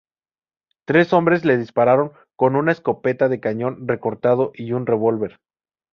Tres hombres le dispararon con una escopeta de cañón recortado y un revólver.